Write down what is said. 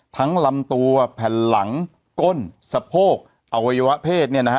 ลำตัวแผ่นหลังก้นสะโพกอวัยวะเพศเนี่ยนะฮะ